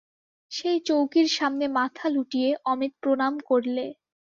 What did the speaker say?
সেই চৌকির সামনে মাথা লুটিয়ে অমিত প্রণাম করলে।